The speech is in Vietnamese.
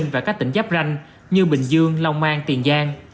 và các tỉnh giáp ranh như bình dương lòng mang tiền giang